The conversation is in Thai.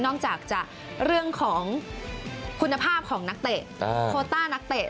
นอกจากจะเรื่องของคุณภาพของนักเตะโคต้านักเตะ